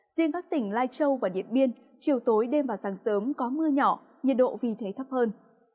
riêng các tỉnh lai châu và điện biên chiều tối đêm và sáng sớm có mưa nhỏ nhiệt độ vì thế thấp hơn